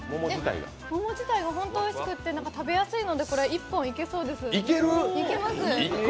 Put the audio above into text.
桃自体が本当においしくて食べやすいので、これ１本いけそうです。